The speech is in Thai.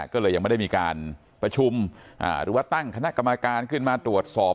ก็เลยยังไม่ได้มีการประชุมหรือว่าตั้งคณะกรรมการขึ้นมาตรวจสอบ